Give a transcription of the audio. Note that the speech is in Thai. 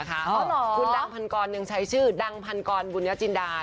คุณดังพันกรยังใช้ชื่อดังพันกรบุญญจินดา